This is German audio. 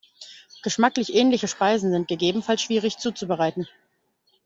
Geschmacklich ähnliche Speisen sind gegebenenfalls schwierig zuzubereiten.